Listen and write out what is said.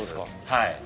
はい。